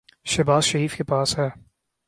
شہباز شریف کے پاس ہے۔